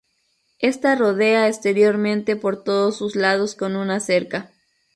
Está rodea exteriormente por todos sus lados con una cerca.